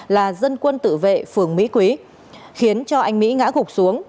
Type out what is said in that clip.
là dân quân tự vệ phường mỹ quý khiến cho anh mỹ ngã gục xuống